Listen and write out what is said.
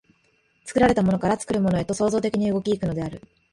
作られたものから作るものへと創造的に動き行くのである。